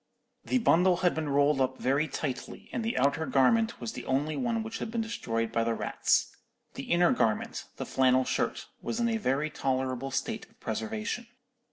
"The bundle had been rolled up very tightly, and the outer garment was the only one which had been destroyed by the rats. The inner garment—the flannel shirt—was in a very tolerable state of preservation.